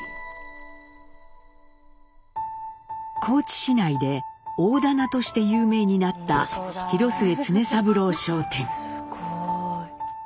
高知市内で大店として有名になった広末常三郎商店。